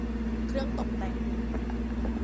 เครื่องตกแต่ง